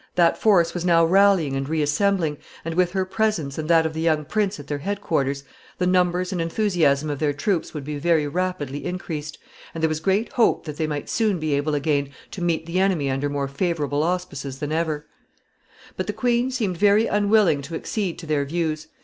That force was now rallying and reassembling, and, with her presence and that of the young prince at their head quarters, the numbers and enthusiasm of their troops would be very rapidly increased, and there was great hope that they might soon be able again to meet the enemy under more favorable auspices than ever. [Sidenote: Her wishes.] But the queen seemed very unwilling to accede to their views.